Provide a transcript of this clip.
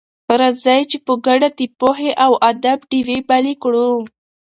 راځئ چې په ګډه د پوهې او ادب ډېوې بلې کړو.